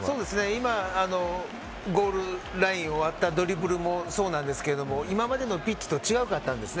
ゴールラインを割ったドリブルもそうなんですが今までのピッチと違ったんですね。